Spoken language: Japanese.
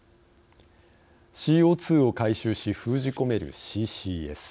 ＣＯ２を回収し封じ込めるＣＣＳ。